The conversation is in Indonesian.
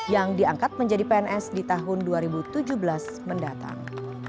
yang diangkat menjadi pns di tahun dua ribu tujuh belas mendatang